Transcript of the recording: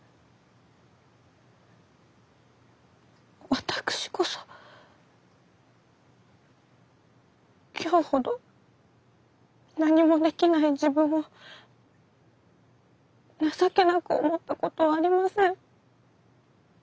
私こそ今日ほど何もできない自分を情けなく思ったことはありません。